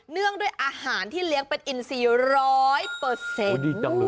เนื่องด้วยอาหารที่เลี้ยงเป็นอินซีร้อยเปอร์เซ็นต์ดีจังเลย